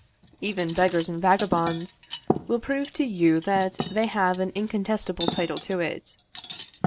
Even beggars and vagabonds will prove to you that they have an incontestable title to it.